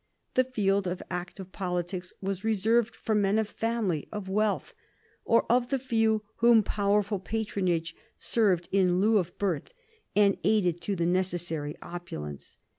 The field of active politics was reserved for men of family, of wealth, or of the few whom powerful patronage served in lieu of birth and aided to the necessary opulence.